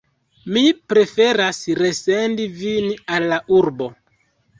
Mi preferas resendi vin al la urbo.